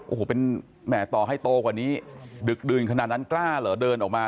โอ้โหเป็นแหมต่อให้โตกว่านี้ดึกดื่นขนาดนั้นกล้าเหรอเดินออกมา